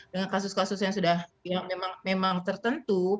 dengan kasus kasus yang sudah memang tertentu